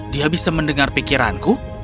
dia bisa mendengar pikiranku